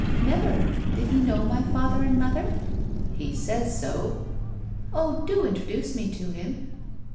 "Never! Did he know my father and mother?" "He says so." "Oh, do introduce me to him!"